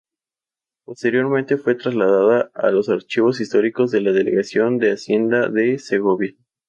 Posteriormente fue trasladada a los Archivos Históricos de la Delegación de Hacienda de Segovia.